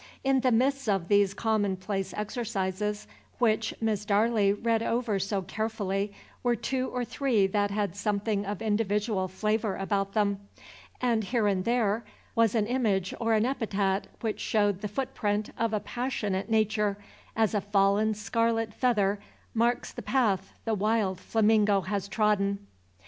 In the midst of these commonplace exercises which Miss Darley read over so carefully were two or three that had something of individual flavor about them, and here and there there was an image or an epithet which showed the footprint of a passionate nature, as a fallen scarlet feather marks the path the wild flamingo has trodden.